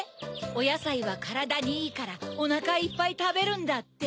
「おやさいはからだにいいからおなかいっぱいたべるんだ」って？